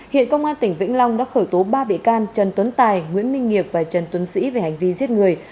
hiện công an tỉnh vĩnh long đã khởi tố ba bị can trần tuấn tài nguyễn minh nghiệp và trần tuấn sĩ về hành vi giết người